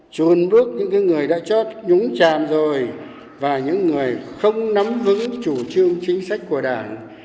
chuồn bước những người đã chót nhúng chàm rồi và những người không nắm vững chủ trương chính sách của đảng